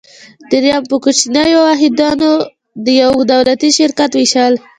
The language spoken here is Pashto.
دریم: په کوچنیو واحدونو د یو دولتي شرکت ویشل.